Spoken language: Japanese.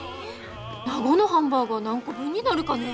名護のハンバーガー何個分になるかね？